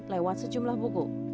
lewat sejumlah buku